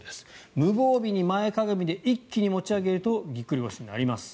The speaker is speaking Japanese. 無防備に前かがみで一気に持ち上げるとぎっくり腰になります。